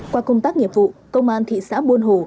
qua công tác nghiệp vụ công an thị xã buôn hồ